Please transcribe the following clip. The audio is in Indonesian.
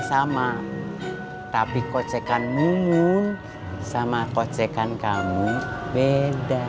sama tapi kocekanmu sama kocekan kamu beda